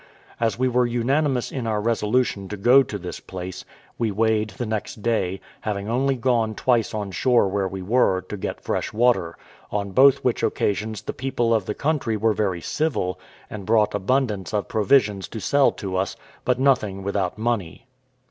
As we were unanimous in our resolution to go to this place, we weighed the next day, having only gone twice on shore where we were, to get fresh water; on both which occasions the people of the country were very civil, and brought abundance of provisions to sell to us; but nothing without money.